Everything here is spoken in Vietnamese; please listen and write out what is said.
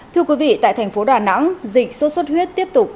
thưa quý vị tại thành phố đà nẵng dịch sốt xuất huyết tiếp tục